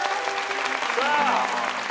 さあ。